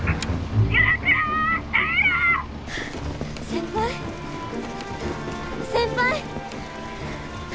先輩先輩！